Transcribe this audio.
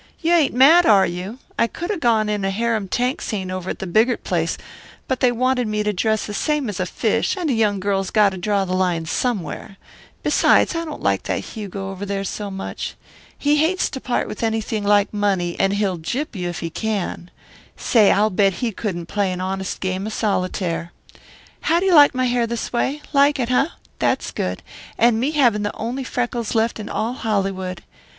You ain't mad, are you? I could have gone on in a harem tank scene over at the Bigart place, but they wanted me to dress the same as a fish, and a young girl's got to draw the line somewhere. Besides, I don't like that Hugo over there so much. He hates to part with anything like money, and he'll gyp you if he can. Say, I'll bet he couldn't play an honest game of solitaire. How'd you like my hair this way? Like it, eh? That's good. And me having the only freckles left in all Hollywood.